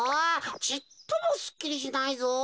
ちっともすっきりしないぞ。